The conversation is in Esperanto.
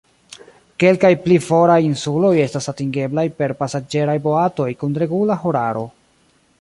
Kelkaj pli foraj insuloj estas atingeblaj per pasaĝeraj boatoj kun regula horaro.